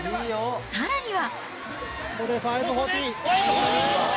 さらには。